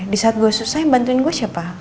di saat gue susah yang bantuin gue siapa